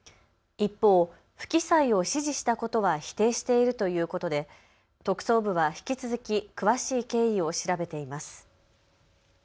一方、不記載を指示したことは否定しているということで特捜部は引き続き詳しい経緯を調べています。